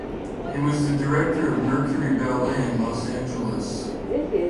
He was the director of Mercury Ballet, in Los Angeles.